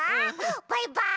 バイバーイ！